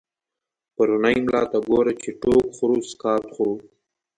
پرونی ملا ته گوره، چی ټوک خورو سقاط خورو